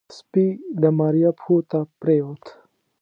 سپي د ماريا پښو ته پرېوت.